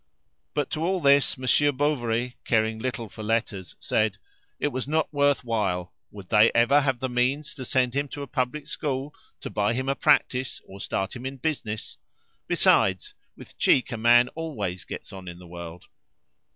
But to all this Monsieur Bovary, caring little for letters, said, "It was not worth while. Would they ever have the means to send him to a public school, to buy him a practice, or start him in business? Besides, with cheek a man always gets on in the world."